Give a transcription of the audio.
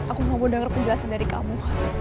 aku gak mau denger penjelasan dari kamu